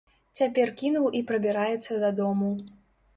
Цяпер кінуў і прабіраецца дадому.